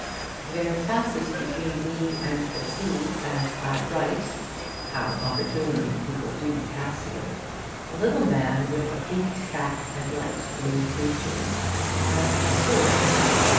There passes between me and the sea, as I write how opportunely people do pass here! a little man with a peaked cap and light blue breeches and a sword.